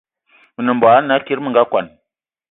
Me nem mbogue ana kiri me nga kwan